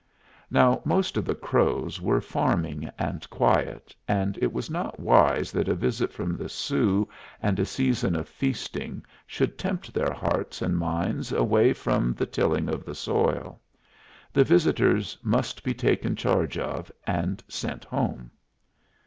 Now, most of the Crows were farming and quiet, and it was not wise that a visit from the Sioux and a season of feasting should tempt their hearts and minds away from the tilling of the soil. The visitors must be taken charge of and sent home.